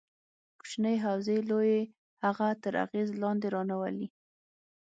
کوچنۍ حوزې لویې هغه تر اغېز لاندې رانه ولي.